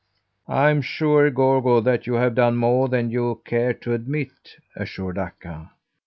"I'm sure, Gorgo, that you have done more than you care to admit," assured Akka.